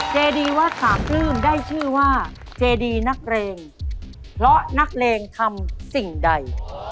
เจดีวัดสามปลื้มได้ชื่อว่าเจดีนักเลงเพราะนักเลงทำสิ่งใด